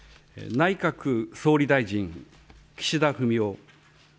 内閣総理大臣、岸田文雄。